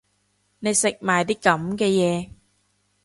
你食埋啲噉嘅嘢